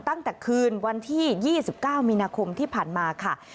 ตั้งแต่คืนวันที่๒๙มีนาคมที่ผ่านมาค่ะ